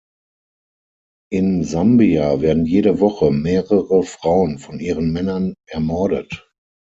In Sambia werden jede Woche mehrere Frauen von ihren Männern ermordet.